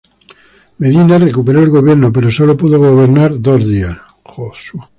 Medina recuperó el gobierno, pero sólo pudo gobernar dos días.